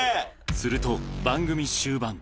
すると、番組終盤。